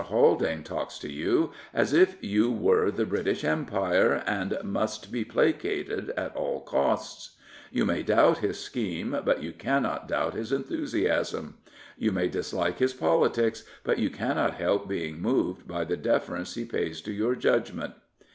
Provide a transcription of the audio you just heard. Haldane talks to you as if you were the British Empire and must be placated at all costs. You may doubt his scheme; but you cannot doubt his enthusiasm. You may dislike his politics; but you cannot help being moved by the deference he pays to your judgment.